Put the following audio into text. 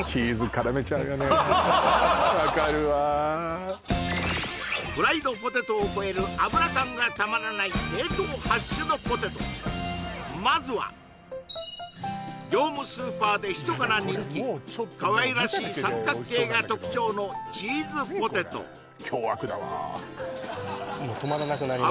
分かるわフライドポテトを超えるまずは業務スーパーでひそかな人気かわいらしい三角形が特徴のチーズポテト凶悪だわもう止まらなくなります